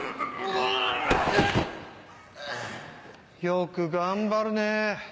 よく頑張るねぇ。